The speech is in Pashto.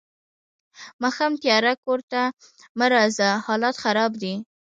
ماښام تیارۀ کور ته مه راځه حالات خراب دي.